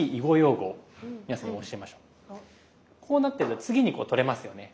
こうなってると次にこう取れますよね。